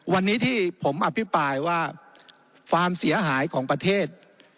วันนี้ที่ผมอภิปรายว่าความเสียหายของประเทศ